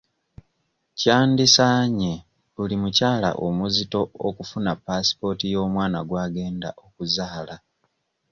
Kyandisaanye buli mukyala omuzito okufuna paasipooti y'omwana gw'agenda okuzaala.